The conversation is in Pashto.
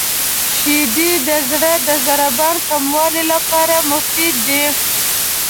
• شیدې د زړه د ضربان کمولو لپاره مفیدې دي.